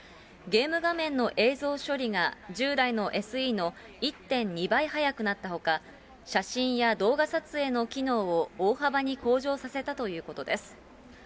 ゲーム画面の映像処理が、従来のＳＥの１．２倍速くなったほか、写真や動画撮影の機能を大幅に向上させたということです。